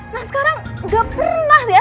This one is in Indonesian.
nah sekarang nggak pernah sih ya